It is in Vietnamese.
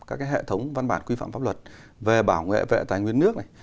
các cái hệ thống văn bản quy phạm pháp luật về bảo vệ tài nguyên nước này